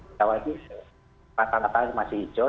di bawah ini rata rata masih hijau